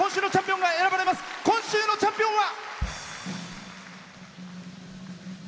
今週のチャンピオンは。